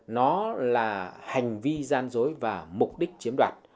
nó là hành vi gian dối và mục đích chiếm đoạt